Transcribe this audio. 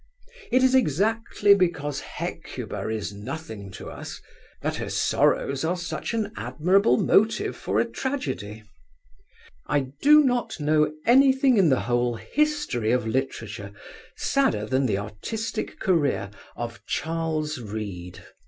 It is exactly because Hecuba is nothing to us that her sorrows are such an admirable motive for a tragedy. I do not know anything in the whole history of literature sadder than the artistic career of Charles Reade.